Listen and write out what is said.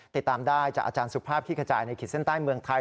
ติดตามได้จากอาจารย์สุภาพขี้ขจายในขีดเส้นใต้เมืองไทย